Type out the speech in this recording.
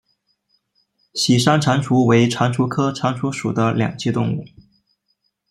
喜山蟾蜍为蟾蜍科蟾蜍属的两栖动物。